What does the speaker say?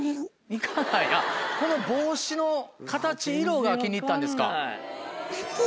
この帽子の形色が気に入ったんですか。